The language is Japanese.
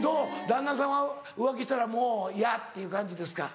旦那さんは浮気したらもう嫌っていう感じですか？